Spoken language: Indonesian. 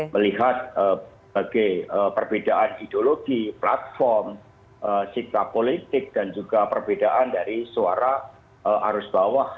melihat perbedaan ideologi platform sikap politik dan juga perbedaan dari suara arus bawah